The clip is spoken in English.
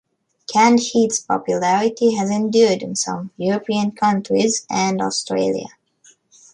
Canned Heat's popularity has endured in some European countries and Australia.